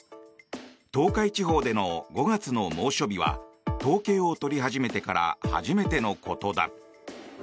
東海地方での５月の猛暑日は統計を取り始めてから初めてのことだ。